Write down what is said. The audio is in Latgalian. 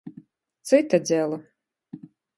Cyta dzela!